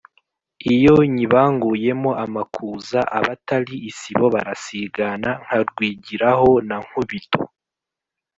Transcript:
Iyo nyibanguyemo amakuza abatali isibo barasigana, nkarwigiraho na Nkubito.